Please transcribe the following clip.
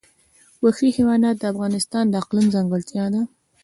وحشي حیوانات د افغانستان د اقلیم ځانګړتیا ده.